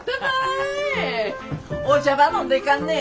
お茶ば飲んでいかんね。